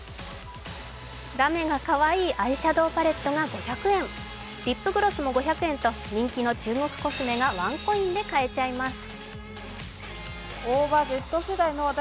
ラメがかわいいアイシャドウパレットが５００円、リップグロスも５００円と、人気の中国コスメがワンコインで買えちゃいます。